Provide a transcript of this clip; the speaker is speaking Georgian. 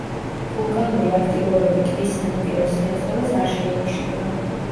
ვულკანური აქტივობები ტბის სანაპიროს სიახლოვეს არ შეინიშნება.